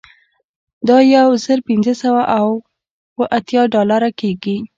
دا یو زر پنځه سوه اوه اتیا ډالره کیږي